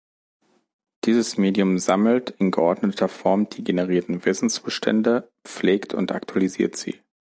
Dieses Medium "sammelt" in geordneter Form die generierten Wissensbestände, pflegt und aktualisiert sie.